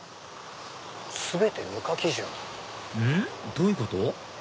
うん？どういうこと？